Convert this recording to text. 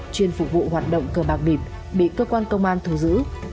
chuyên phục vụ hoạt động cờ bạc bịt bị cơ quan công an thù giữ